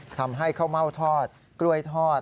ทำให้ข้าวเม่าทอดกล้วยทอด